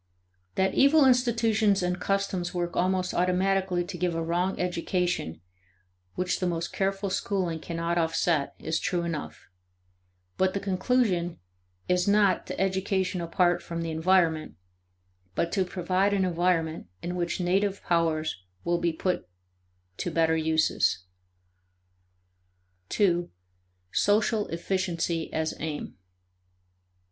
That evil institutions and customs work almost automatically to give a wrong education which the most careful schooling cannot offset is true enough; but the conclusion is not to education apart from the environment, but to provide an environment in which native powers will be put to better uses. 2. Social Efficiency as Aim.